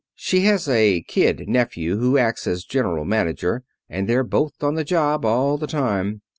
She has a kid nephew who acts as general manager, and they're both on the job all the time.